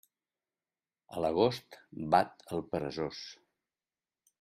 A l'agost bat el peresós.